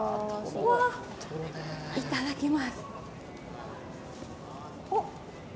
いただきます。